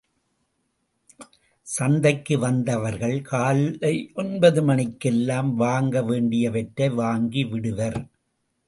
சந்தைக்கு வந்தவர்கள் காலை ஒன்பது மணிக்கெல்லாம் வாங்க வேண்டியவற்றை வாங்கிவிடுவர்.